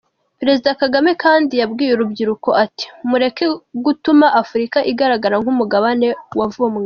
Perezida Kagame kandi yabwiye urubyiruko ati “Mureke gutuma Afurika igaragara nk’umugabane wavumwe.